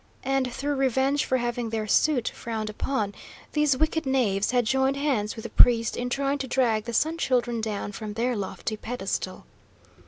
And, through revenge for having their suit frowned upon, these wicked knaves had joined hands with the priest in trying to drag the Sun Children down from their lofty pedestal.